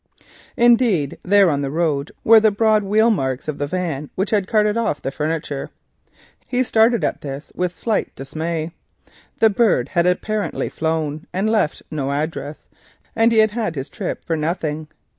Indeed, there on the road were the broad wheelmarks of the van which had carted off the furniture. He stared at this sight in dismay. The bird had apparently flown, leaving no address, and he had taken his trip for nothing.